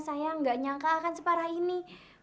saya nggak nyangka akan separah ini